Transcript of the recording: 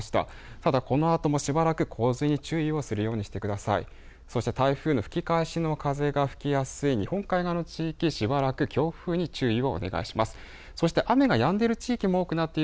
ただこの後もしばらく洪水に注意をするようにしてください。